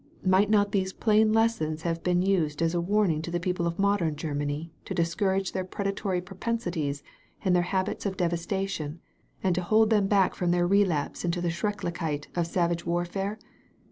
Might not these plain lessons have been used as a warning to the people of modern Germany to discourage their predatoiy propensities and their habits of devastation and to hold them back from their relapse into the SchrecUichkeit of savage war fare